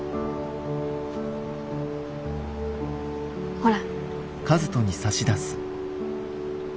ほら。